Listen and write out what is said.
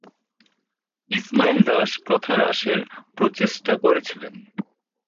ইসমাইল দাস প্রথা হ্রাসের প্রচেষ্টা করেছিলেন।